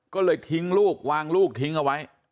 ก็เลยทิ้งลูกวางลูกทิ้งเอาไว้